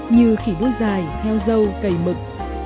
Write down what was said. như khỉ bôi dài heo dâu cầy mực